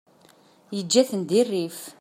Yeǧǧa-ten deg rrif.